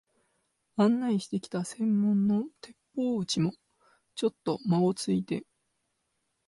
案内してきた専門の鉄砲打ちも、ちょっとまごついて、